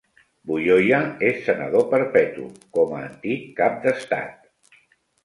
Buyoya és Senador perpetu, com a antic cap d'estat.